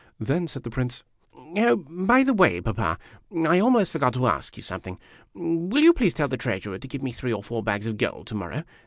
Then said the Prince :" Oh, by the way, Papa, I almost forgot to ask you something. Will you please tell the treasurer to give me three or four bags of gold to morrow